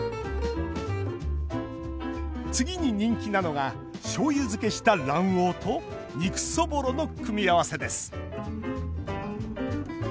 次に人気なのがしょうゆ漬けした卵黄と肉そぼろの組み合わせです。